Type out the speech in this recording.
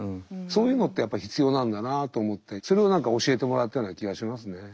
そういうのってやっぱり必要なんだなあと思ってそれを何か教えてもらったような気がしますね。